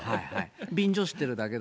便乗してるだけで。